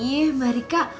ih mbak rika